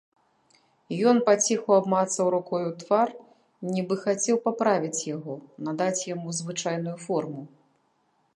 Ён паціху абмацаў рукою твар, нібы хацеў паправіць яго, надаць яму звычайную форму.